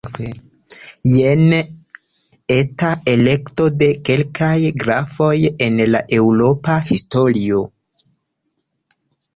Jen eta elekto de kelkaj grafoj en la eŭropa historio.